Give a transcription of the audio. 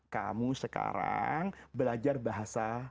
kamu sekarang belajar bahasa